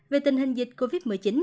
về tình hình dịch covid một mươi chín